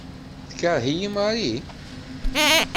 Tekṛeh-iyi Marie?